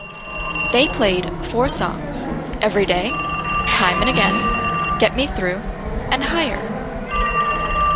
They played four songs: "Everyday", "Time and Again", "Get Me Through", and "Higher".